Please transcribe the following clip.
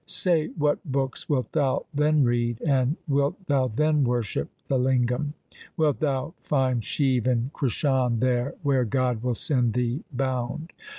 Say what books wilt thou then read, and wilt thou then worship the lingam ? Wilt thou find Shiv and Krishan there where God will send thee bound